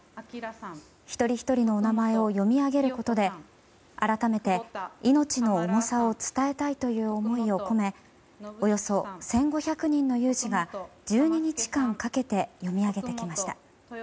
一人ひとりの名前を読み上げることで改めて命の重さを伝えたいという思いを込めおよそ１５００人の有志が１２日間かけて読み上げてきました。